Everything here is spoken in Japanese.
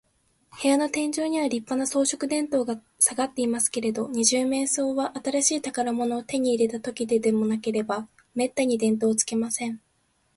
部屋の天井には、りっぱな装飾電燈がさがっていますけれど、二十面相は、新しい宝物を手に入れたときででもなければ、めったに電燈をつけません。